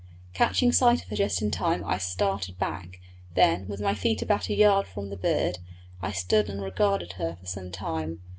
Catching sight of her just in time I started back; then, with my feet about a yard from the bird, I stood and regarded her for some time.